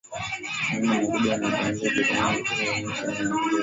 Maeneo makubwa yalitengwa na Ujerumani na kuwa sehemu za Uholanzi